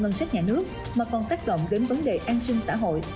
ngân sách nhà nước mà còn tác động đến vấn đề an sinh xã hội